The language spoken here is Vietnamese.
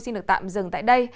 xin được tạm dừng tại đây